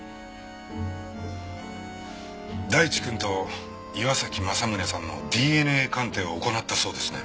大地くんと岩崎正宗さんのＤＮＡ鑑定を行ったそうですね。